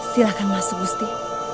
silahkan masuk gusti